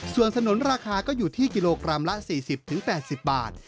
ส่วนสนุนราคาก็อยู่ที่กิโลกรัมละ๔๐๘๐บาท